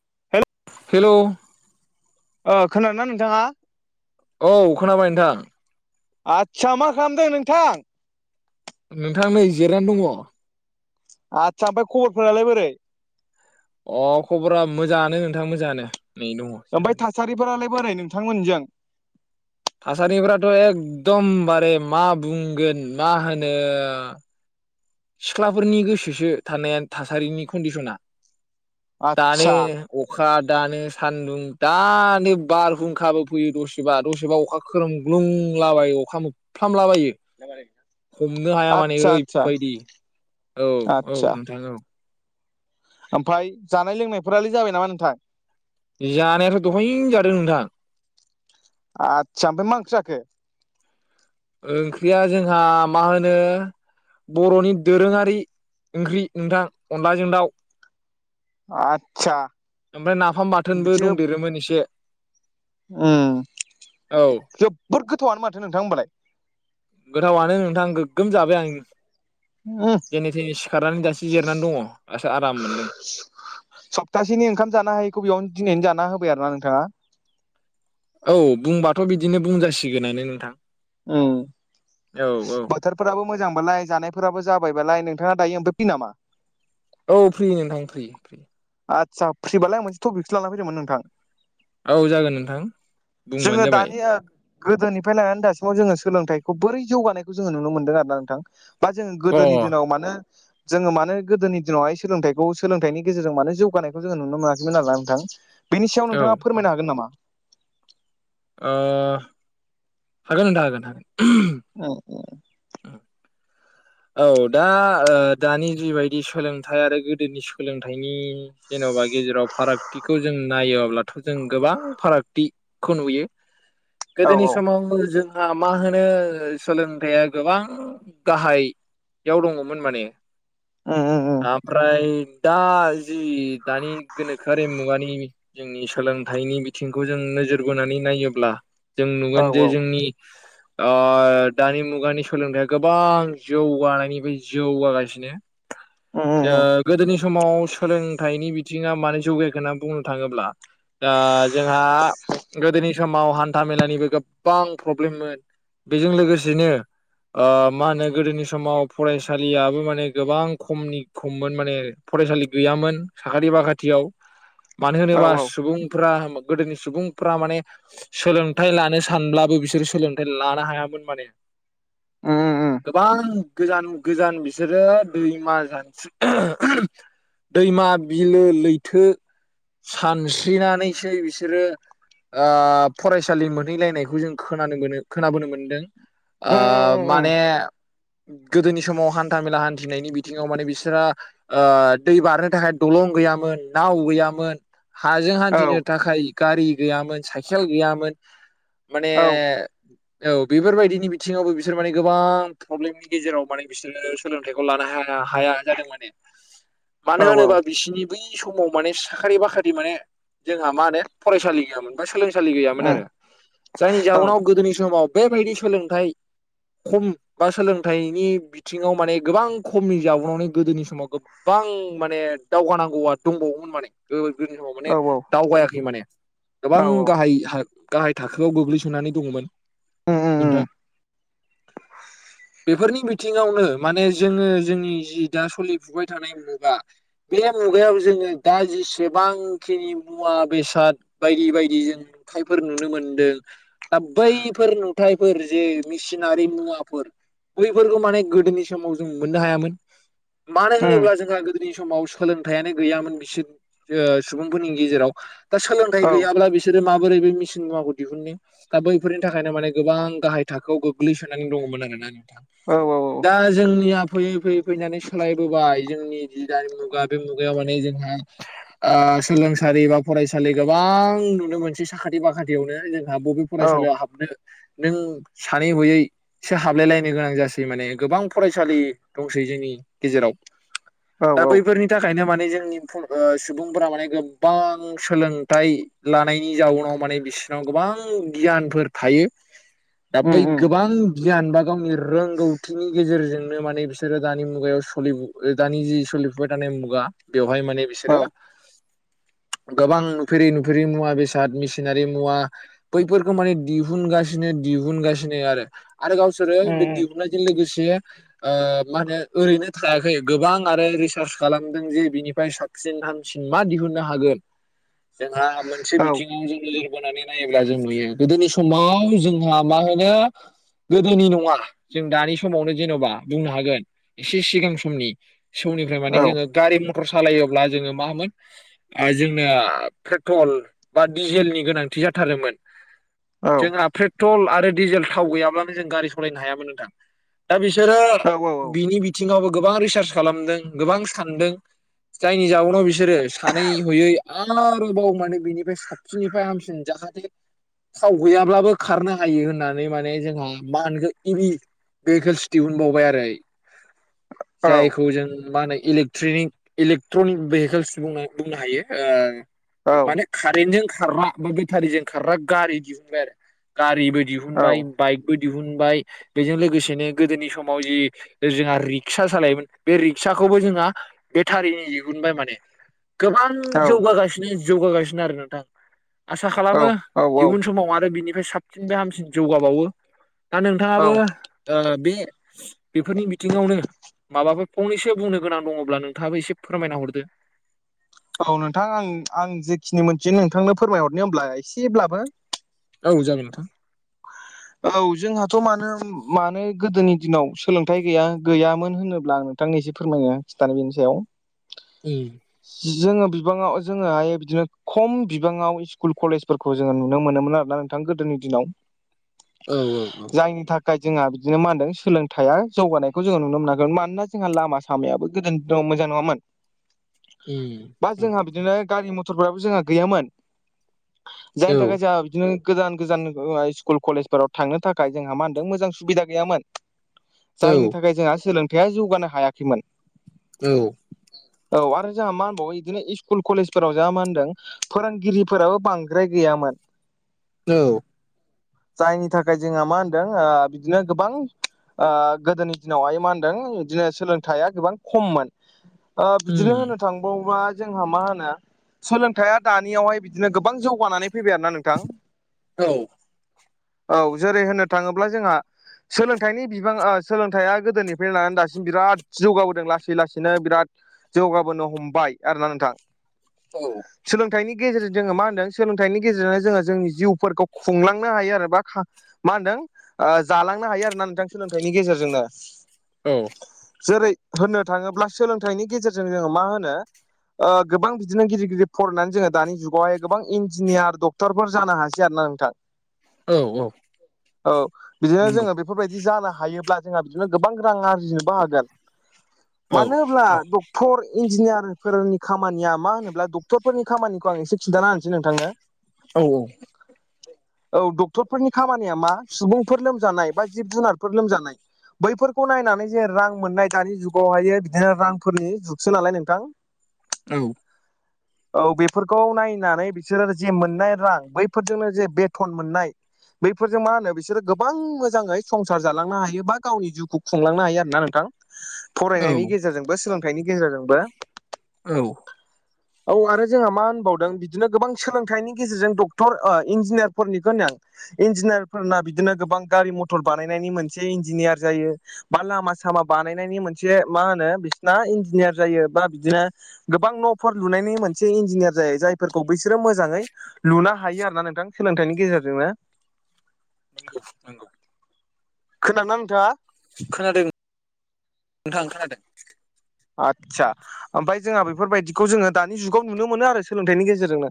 [unintelligible] Hello ओ खोनादों ना नोंथाङा? औ खोनाबाय नोंथां। आच्छा मा खालामदों नोंथां? नोंथां नै जेरानानै दङ। आदसा ओमफ्राय खबरफोरालाय बोरै? अ खबरा मोजाङानो नोंथां मोजाङानो नै दङ। ओमफाय जिरायनानै थासारिफोरालाय बोरै नोंथांमोननिजों? थासारिफथ' एकदमबारे मा बुंगोन मा होनो सिख्लाफोरनि गोसोसो थानाया थासारिनि कन्डिसना दानो आदसा अखा दानो सान्दुं दानो बारहुंखाबो फैयो दसेबा दसेबा अखा खोरोमग्लुंला बायो अखा मोफलामला बायो। हमनो हाया माने आदसा आदसा ओरैबायदि औ औ आदसा नोंथां औ। ओमफ्राय जानाय लोंनायफोरालाय जाबाय नामा नोंथां? जानायाथ' दहायनो जादों नोंथां। आतसा ओमफ्राय मा ओंख्रि जाखो? ओंख्रिया जोंहा मा होनो बर'नि दोरोङारि ओंख्रि नोंथां अनलाजों दाउ। आदसा ओमफ्राय नाफाम बाथोनबो दंदेरोमोन एसे। ओम औ जोबोद गोथावआनो माथो नोंथां होमबालाय। गोथावनो नोंथां गोगोम जाबाय आं। उम जेनै थेनै सिखारनानै दासो जिरनानै दङ दासो आराम मोनदों। सफ्थासेनि ओंखाम जानो हायैखौ बेयावनो दिनैनो जाना होबाय आरो ना नोंथाङा। औ बुंबाथ' बिदिनो बुंजासिगोनानो नोंथां। उम औ औ बोथोरफोराबो मोजांबालाय जानायफोराबो जाबायबालाय नोंथाङा दायो ओमफ्राय फ्रि नामा? औ फ्रि नोंथां फ्रि फ्रि। आदसा फ्रिबालाय आं मोनसे टपिकखौसो लानानै फैदोंमोन नोंथां। औ जागोन नोंथां बुंबानो जोङो जाबाय। दानि ओ गोदोनिफ्राय लानानै दासिमाव जोङो सोलोंथाइखौ बोरै जौगानायखौ जोङो नुनो मोनदों आरोना नोंथां बा जोङो अ औ गोदोनि दिनाव मानो जोङो मानो गोदोनि दिनावहाय सोलोंथाइखौ सोलोंथाइनि गेजेरजों मानो जौगानायखौ जोङो नुनो मोनाखैमोन आरो ना नोंथां बेनि सायाव औ ओ नोंथाङा फोरमायनो हागोन नामा। ओ हागोन नोंथां हागोन हागोन। ओं दे औ दा ओ दानि जिबायदि सोलोंथाइ आरो गोदोनि सोलोंथाइनि जेन'बा गेजेराव फारागथिखौ जों नायोब्ला जों गोबां फारागथिखौ नुयो औ गोदोनि समाव जों हा मा होनो सोलोंथाइया गोबां गाहा याव दङमोन माने उम उम उम ओमफ्राय दा जि दानि गोनोखोआरि मुगानि जोंनि सोलोंथाइनि बिथिंखौ जों नोजोर बोनानै नायोब्ला जों औ नुगोन जे औ जोंनि ओ दानि मुगानि सोलोंथाइया गोबां जौगानायनिफाय जौगागासिनो उम उम उम गोदोनि समाव सोलोंथाइनि बिथिङा मानोे जौगायाखै होनना बुंनो थाङोब्ला ओ जोंहा गोदोनि समाव हान्था मेलानिबो गोबां प्रब्लेममोन। बेजों लोगोसेनो ओ मा होनो गोदोनि समाव फरायसालियाबो माने गोबां खमनि खममोन माने फरायसालि गैयामोन। साखाथि बाखाथियाव मानो औ होनोबा औ सुबुंफोरा गोदोनि सुबुंफ्रा माने सोलोंथाइ लानो सानब्लाबो बिसोरो सोलोंथाइ लानो हायामोन माने। ओम ओम गोबां गोजान गोजान बिसोरो दैमा जानस्रि दैमा बिलो लैथो सानस्रिनानैसै बिसोरो ओ फरायसालि मोनहैलायनायखौ जों खोनानो मोनो खोनाबोनो मोन्दों। उम आ उम माने गोदोनि समाव हान्था मेला हान्थिनायनि बिथिङाव माने बिसोरहा ओ दै बारनो थाखाय दलं गैयामोन नाव गैयामोन। हाजों औ हान्थिनो थाखाय गारि गैयामोन साइखेल गैयामोन। माने औ औ बेफोरबायदिनि बिथिङावबो बिसोर माने गोबां प्रब्लेमनि गेजेराव माने बिसोरो सोलोंथाइखौ लानो हाया हाया जादों माने मान औ होन ब बिसिनि बै समाव माने साखारि बाख्रि माने जोंहा मा होनो फरायसालि गैयामोन बा सोलोंसालि गैयामोन उम आरो जायनि औ जाउनाव गोदोनि समाव बेबायदि सोलोंथाइ खम बा सोलोंथाइनि बिथिङाव माने गोबां खमनि जाबावावनानै गोदोनि समाव गोबां माने दावगानांगौआ दंबावोमोन माने ओ गोदोनि समाव माने औ दावगायाखै माने औ गोबां गाहाय गाहाय थाखोआव गोग्लैसोनानै दङमोन उम उम नोंथां उम बेफोरनि बिथिङावनो माने जोङो जोंनि जि दा सोलिफुबाय थानाय मुगा बे मुगायाव जोङो दा जेसेबांखिनि मुवा बेसाद बायदि बायदि जों नुथायफोर नुनो मोन्दों दा बैफोर नुथायाइफोर जे मेसिनारि मुवाफोर बैफोरखौ माने गोदोनि समाव जों मोननो हायामोन मानो उम होनोब्ला जोंहा गो- नि समाव सोलोंथाइानो गैयामोन बिसोर सुबुंफोरनि गेजेराव दा सोलोंथाइ औ गैयाब्ला बिसोरो माबोरै बे मेसिन मुवाखौ दिहुननो दा बैफोरनि थाखायनो माने गोबां गाहाय थाखोआव गोग्लैसोनानै दङमोन आरोना नोंथां औ दा जोंनिया फैयै फैयै फैनानै सोलायबोबाय जोंनि जि दानि मुगा बे मुगायाव माने जोंहा सोलोंसालि बा फरायसालि गोबां नुनो मोनसै साखाथि बाखाथियावनो जोंहा बबे औ फरायसालियाव हाबनो नों सानै हयै एसे हाबलायलायनाय गोनां ज मान गोबां फरायसालि दंै जोंनि गेजेराव दा बैफोरनि बिनि थाखायनो माने जोंनि फु सुबुंफोरा माने गोबां सोलोंथाइ लानायनि जाउनाव माने बिसनाव गोबां गियानफोर थायो [unintelligible] दा बै गोबां बियान बा गावनि रोंगौथिनि गेजेरजोंनो माने बिसोरो दानि मुगायाव सलि दानि जि सलि -साय थानाय मुगा बेवहाय माने बिसोरो [unintelligible] गोबां नुफेरि नुफेरि मुवा बेसाद मेसिनारि मुवा बैफोरखौ माने दिहुनगासिनो दिहुनगासिनो आरो आरो गावसोरो बे उम दिहुननाय - लोगोसे मा होनो ओरैनो थायाखै गोबां आरो रिसार्च खालामदों जे बिनिफ्राय साब बासिन हांसिन मा दिहुननो हागोन [unintelligible] [inaudible] जोंहा मोनसे औ बिथिङाव ज [unintelligible] बोनानै नायोब्ला जों नुयो गोदोनि समाव जोंहा मा होनो गोदोनि नङा जों दानि समावनो जेनेबा बुंनो हागोन एसे सिगां समनि समौनिफ्राय माने औ जोङो गारि मथर सालायोब्ला जोङो माामोन जोंना पेट्रल बा डिजेलनि गोनांथि जाथारोमोन औ जोंहा पेट्रल आरो डिजेल थाव गैयाब्लानो जों गारि सालायनो हायामोन नोंथां दा बिसोरो औ बिनि बिथिङावबो गोबां रिसार्च खालामदों गोबां सानदों जायनि जउनाव बिसोरो सानै हयै आरोबाव मानो बिनिफ्राय हाबसिननिफ्राय हामसिन जाहाथे थाव गैयाब्लाबो खारनो हायो होननानै माने जोंहा मा होनखो इरि बेखेलस दिहुनबावबाय आरो औ जायखौ जों मा होनो इले ट्रेनिक इलेकट्रनिक भेहिकेल्स बुंनो हायो औ माने कारेन्टजों खारग्रा बा बेटारिजों खारग्रा गारि दिहुनबाय आरो गारिबो दिहुनबाय बाइक बो दिहुनबाय बेजों लोगोसेनो गोदोनि समाव जि जोंहा रिक्सा सालायोमोन बे रिक्साखौबो जोंहा बेटारिनि दिहुनबाय माने गोबां जौगा गासिनो जौगा गासिनो आरो नोंथां। आसा औ खालामो इयुन समाव आरो बिनिफ्राय साबसिन बे हामसिन जौगाबावो, दा औ नोंथाङाबो ओ बे, बेफोरनि बिथिङावनो माबाफोर फंनैसो बुंनो गोनां दङोब्ला नोंथाङाबो एसे फोरमायना हरदो, औ नोंथां आं आं जेखिनि मोनथि नोंथांनो फोरमायहरनो होमब्ला एसेब्लाबो, औ जागोन नोंथां। औ जोंहाथ' मानो मानो गोदोनि दिनाव सोलोंथाइ गैया गैयामोन होनोब्लां नोंथांनि एसे फोरमायनो खिथानो बिनि सायाव उम जोङो बिबाङाव जोङोहाय बिदिनो खम बिबाङाव स्कुल कलेज, फोरखौ जोङो नुनो मोनोमोन आरो ना नोंथां गोदोनि दिनाव, औ औ औ जायनि थाखाय जोंहा बिदिनो मा होनदों सोलोंथाइया जौगानायखौ जोङो नुनो मोनाखोन मानोना जोंहा लामा, लामायाबो गोदोनि दिनाव मोजां नङामोन, उम, बा जोंहा बिदिनो गारि मथरफ्राबो जोंहा गैयामोन औ उम जायनि थाखाय जोंहा बिदिनो, गोजान गोजान स्कुल कलेजफोराव थांनो थाखाय जोंहा मा होनदों मोजां सुबिदा गैयामोन। औ जायनि थाखाय जोंहा सोलोंथायाइया जौगानो हायाखैमोन, औ औ आरो जोंहा मा होनबावो बिदिनो स्कुल कलेजफोराव जों मा होनदों, फोरोंगिरिफोराबो बांद्राय गैयामोन। औ जायनि थाखाय जोंहा मा होनदों ओ बिदिनो गोबां, ओ गोदोनि दिनावहाय मा होनदों दिनै सोलोंथाइया गोबां खममोन, ओ बिदिनो होनो थांबावबा जोंहा मा होनो, सोलोंथाइया दानियावहाय बिदिनो गोबां जौगानानै फैबाय आरोना नोंथां, औ औ जेरै होननो थाङोब्ला जोंहा, सोलोंथाइनि बिबां सोलोंथाइया गोदोनिफ्रायनो लानानै दासिम बिराद जौगाबोदों लासै लासैनो बिराद। जौगाबोनो हमबाय आरो ना नोंथां। औ सोलोंथाइनि गेजेरजों जोङो मा होनदों सोलोंथाइनि गेजेरजोंनो जोङो जोंनि जिउफोरखौ खुंलां, खुंलांनो हायो बा खा माहोनदों ओ जालांनो हायोना नोंथां सोलोंथाइनि गेजेरजोंनो, औ जेरै होननो थाङोब्ला सोलोंथाइनि गेजेरजों जोङो मा होनो। ओ गोबां बिदिनो गिदिर गिदिर फरायनानै जोङो दानि जुगावहाय गोबां इन्जिनियार डक डक्टरफोर जानो हासै आरो ना नोंथां। औ औ औ बिदिनो नंगौ जोङो बेफोरबायदि जानो हायोब्ला जोंहा बिदिनो गोबां रां आरजिनोबो हागोन। औ मानो होब्ला औ डक डक्टर इन्जिनियारफोरनि खामानिया मा होनोब्ला डक्टरफोरनि खामानिखौ आं एसे खिन्थाना होनोसै नोंथांनो। औ औ औ डक्टरफोरनि खामानिया मा सुबुंफोर लोमजानाय बा जिब जुनारफोर लोमजानाय, बैफोरखौ नायनानै जे रां मोननाय दानि जुगावहायो बिदिनो रांफोरनि जुगसो नालाय नोंथां, [unintelligible] औ औ बेफोरखौ नायनानै बिसोरो जे मोननाय रां बैफोरजोंनो जे बे थन मोननाय। बैफोरजों मा होनो बिसोरो गोबां मोजाङै संसार जालांनो हायो बा गावनि जिउखौ खुंलांनो हायो आरोना नोंथां। फरायनायनि गेजेरजोंबो सोलोंथाइनि गेजेरजोंबो। औ औ आरो जोंहा मा होनबावदों बिदिनो गोबां सोलोंथाइनि गेजेरजों डक्टर ओ इन्जिनियार फोरनिखौ होन आं इन्जिनियारफोरना बिदिनो गोबां गारि मथर बानायनायनि मोनसे इन्जिनियार जायो। बा लामा सामा बानायनायनि मोनसे मा होनो बिसिना इन्जिनियार जायो बा बिदिनो गोबां न'फोर लुनायनि मोनसे इन्जिनियार जायो जायफोरखौ बैसोरो मोजाङै लुनो हायो आरो ना नोंथां सोलोंथाइनि गेजेरजोंनो नोंगौ नोंगौ। खोनाना नोंथाङा खोनादों नोंथां खोनादों। आदसा ओमफाय जोंहा बेफोरबायदिखौ जोङो दानि जुगाव नुनो मोनो आरो सोलोंथाइनि गेजेरजोंनो।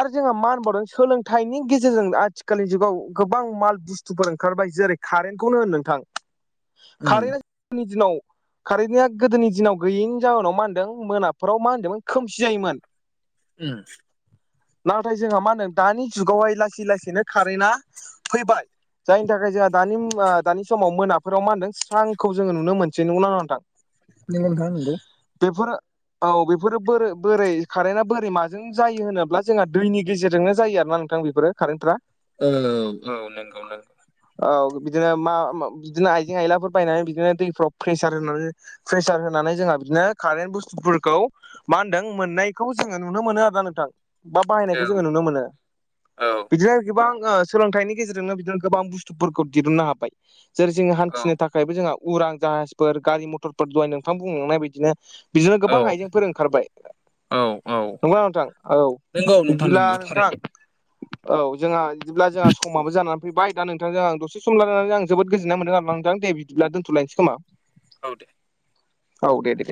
आरो जोंहा मा होनबावदों सोलोंथाइनि गेजेरजों आथिखालनि जुगाव गोबां माल बुस्थुफोर ओंखारबाय जेरै कारेन्टखौनो होन नोंथां उम कारेन्टआ नि दिनाव कारेन्टनिया गोदोनि दिनाव गैयैनि जाउनाव मा होनदों मोनाफोराव मा होनदोंमोन खोमसि जायोमोन। उम। नाथाय जोंहा मा होनदों दानि जुगावहाय लासै लासैनो कारेन्टा फैबाय। जायनि थाखाय जोंहा दानि ओ दानि समाव मोनाफोराव मा होनदों स्रांखौ जोङो नुनो मोनसै नंगौना नङा नोंथां। नंगौ नोंथां नंगौ बेेफोर औ बेफोरो बोरो बोरै कारेन्टआ बोरै माजों जायो होनोब्ला जोंहा दैनि गेजेरजोंनो जायो आरोना नोंथां बेफोरो। कारेन्टफ्रा। औ औ औ नंगौ नों औ बिदिनो मा मा बिदिनो आइजें आयलाफोर बायनानै बिदिनो दैफ्राव प्रेसार होनानै प्रेसार होनानै जोंहा बिदिनो कारेन्ट बुस्थुफोरखौ मा होनदों मोननायखौ जोङो नुनो मोनो आरो ना नोंथां बा औ बाहायनायखौ जोङो नुनो मोनो। बिदिनो गोबां ओ सोलोंथाइनि गेजेरजोंनो बिदिनो गोबां बुस्थुफोरखौ दिहुननो हाबाय। जेरै जोङो औ हान्थिनो थाखायबो जोंहा उरां जाहाजफोर गारि मथर दहाय नोंथां बुंलांनाय बायदिनो बिदिनो गोबां औ आइजेंफोर ओंखारबाय। औ औ नंगौना नोंथां औ नंगौ नोंथां बिला नंगौ नोंथां थारैनो औ जोंहा इदिब्ला जोंहा समाबो जानानै फैबाय दा नोंथांजों आं दसे सम रालानानै आं जोबोद गोजोननाय मोनदों आरोना नोंथां दे बि दिब्ला दोनथ'लायनोसै खोमा। औ दे। औ दे दे।